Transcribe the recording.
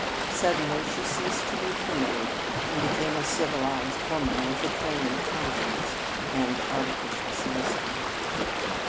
Suddenly she ceased to be primitive and became a civilized woman with a trained conscience and artificial solicitude.